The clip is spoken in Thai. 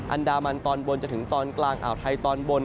อันดามันตอนบนจนถึงตอนกลางอ่าวไทยตอนบน